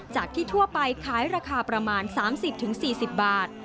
จากที่ทั่วไปขายราคาประมาณ๓๐๔๐บาท